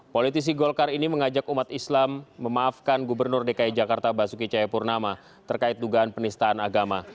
politisi golkar ini mengajak umat islam memaafkan gubernur dki jakarta basuki cayapurnama terkait dugaan penistaan agama